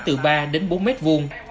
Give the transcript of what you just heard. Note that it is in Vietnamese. từ ba đến bốn mét vuông